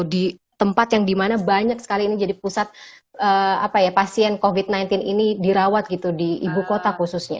di tempat yang dimana banyak sekali ini jadi pusat pasien covid sembilan belas ini dirawat gitu di ibu kota khususnya